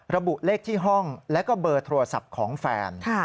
ระบุเลขที่ห้องแล้วก็เบอร์โทรศัพท์ของแฟน